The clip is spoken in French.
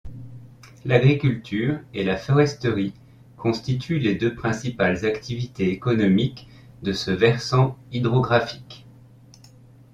L’agriculture et la foresterie constituent les deux principales activités économiques de ce versant hydrographique.